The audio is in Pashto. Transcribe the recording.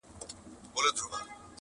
• حقيقت د وخت قرباني کيږي تل..